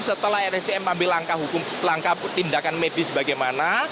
setelah rscm ambil langkah hukum langkah tindakan medis bagaimana